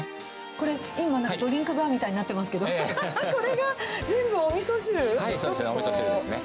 これ、今、ドリンクバーみたいになってますけど、はい、そうですね、おみそ汁ですね。